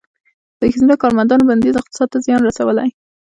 د ښځینه کارمندانو بندیز اقتصاد ته زیان رسولی؟